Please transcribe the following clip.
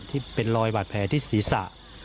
ที่เป็นรอยบาดแผลที่ศีรษะ